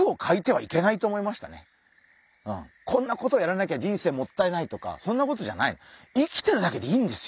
こんなことやらなきゃ人生もったいないとかそんなことじゃない。